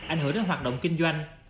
ảnh hưởng đến hoạt động kinh doanh